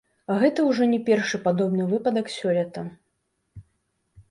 Гэта ўжо не першы падобны выпадак сёлета.